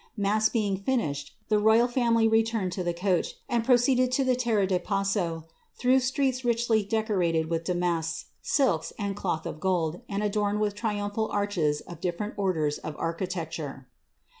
Mass being ed, the royal family returned to the coach, and proceeded to the ^ira da Pa^o, through streets richly decorated with damasks, silks, loth of gold, and adorned with triumphal arches of difl^rent orders chitecture.